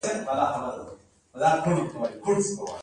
مور مې ډېره سبین سرې او ناروغه ده.